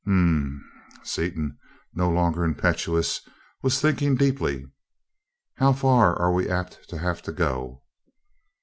"Hm m m." Seaton, no longer impetuous, was thinking deeply. "How far are we apt to have to go?"